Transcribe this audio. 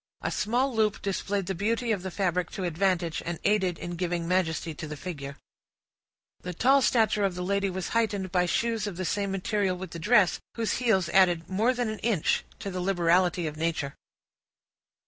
A small loop displayed the beauty of the fabric to advantage, and aided in giving majesty to the figure. The tall stature of the lady was heightened by shoes of the same material with the dress, whose heels added more than an inch to the liberality of nature.